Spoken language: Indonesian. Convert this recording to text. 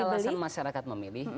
apa sih alasan masyarakat memilih